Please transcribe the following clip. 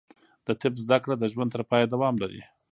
د طب زده کړه د ژوند تر پایه دوام لري.